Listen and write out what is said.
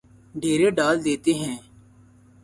ڈیرے ڈال دیتے ہیں